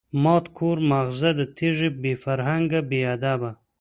ماټ کور ماغزه د تیږی، بی فرهنگه بی ادبه